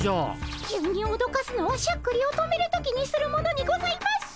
急におどかすのはしゃっくりを止める時にするものにございます！